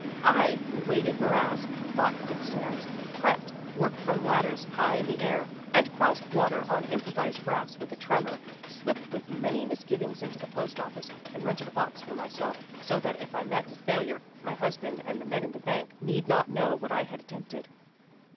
" 'I who waded morass, fought quicksands, crept, worked from lad ders high in the air, and crossed water on impro vised rafts without a tremor, slipped with many mis givings into the postoffice and rented a box for my self, so that if I met with failure my husband and the men in the bank need not know what I had at tempted.'